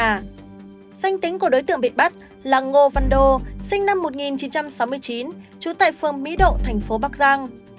danh tính của đối tượng bị bắt là ngô văn đô sinh năm một nghìn chín trăm sáu mươi chín trú tại phường mỹ độ thành phố bắc giang